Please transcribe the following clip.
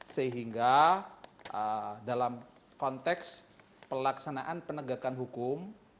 sehingga dalam konteks pelaksanaan penegakan hukum